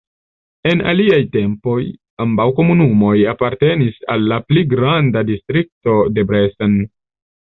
En aliaj tempoj ambaŭ komunumoj apartenis al la pli granda Distrikto Debrecen.